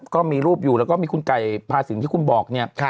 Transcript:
ก็มีรูปอยู่แล้วก็มีคุณไก่พาสินที่คุณบอกเนี่ย